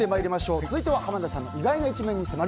続いては濱田さんの意外な一面に迫る